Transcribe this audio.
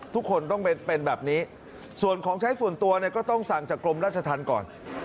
ทุกคนต้องเป็นแบบนี้ส่วนของใช้ส่วนตัวเนี่ยก็ต้องสั่งจากกรมราชธรรมก่อน